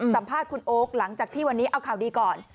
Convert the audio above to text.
สัมภาษณ์คุณโอ๊คหลังจากที่วันนี้เอาข่าวดีก่อน